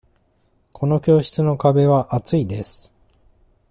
この教室の壁は厚いです。